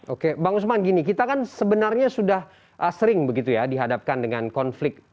oke bang usman gini kita kan sebenarnya sudah sering begitu ya dihadapkan dengan konflik